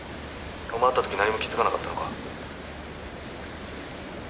「お前会った時何も気づかなかったのか？」